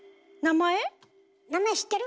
名前知ってる？